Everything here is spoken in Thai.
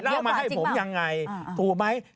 แล้วเอามาให้ผมยังไงถูกไหม